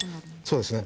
そうですね。